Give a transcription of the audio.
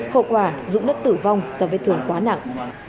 hậu quả dũng đã tử vong do vết thương quá nặng